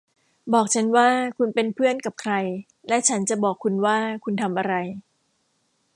บอกฉันว่าคุณเป็นเพื่อนกับใครและฉันจะบอกคุณว่าคุณทำอะไร